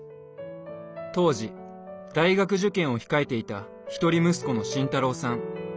当時大学受験を控えていた一人息子の信太郎さん。